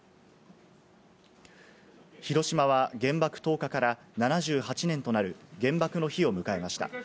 広島は原爆投下から７８年となる原爆の日を迎えました。